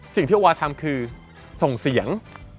สิ่งที่โอวาทำคือส่งเสียง